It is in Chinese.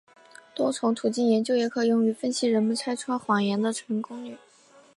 多重途径研究也可用于分析人们拆穿谎言的成功率。